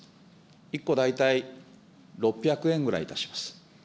１個大体６００円ぐらいいたします。